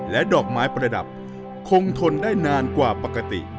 ดอกไม้ประดับคงทนได้นานกว่าปกติ